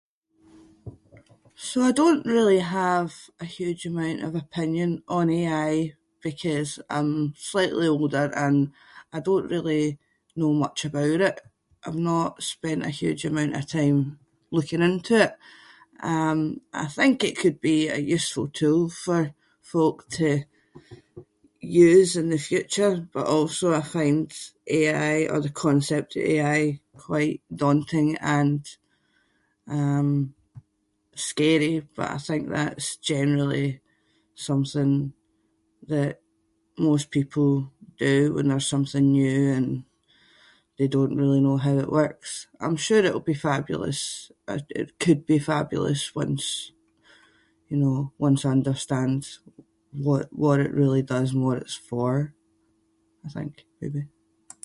So I don’t really have a huge amount of opinion on AI because I’m slightly older and I don’t really know much about it. I’ve not spent a huge amount of time looking into it. Um I think it could be a useful tool for folk to use in the future but also I find AI or the concept of AI quite daunting and um scary but I think that’s generally something that most people do when there’s something new and they don’t really know how it works. I’m sure it’ll be fabulous or it could be fabulous once, you know, once I understand what- what it really does and what it’s for, I think, maybe.